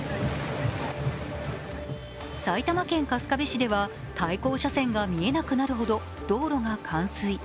埼玉県春日部市では対向車線が見えなくなるほど道路が冠水。